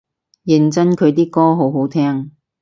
認真佢啲歌好好聽？